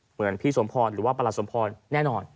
เหมือนพี่สมพรหรือว่าประหลัสมพรแน่นอน